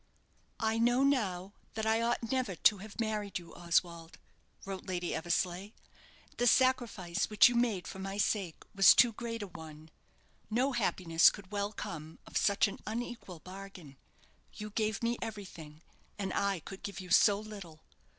"I know now that I ought never to have married you, Oswald," wrote Lady Eversleigh. "_The sacrifice which you made for my sake was too great a one. No happiness could well come of such an unequal bargain. You gave me everything, and I could give you so little.